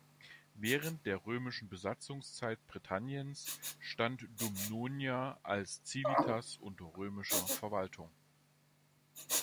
Während der römischen Besatzungszeit Britanniens stand Dumnonia als Civitas unter römischer Verwaltung.